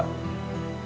mereka sudah tua